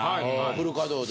フル稼働で。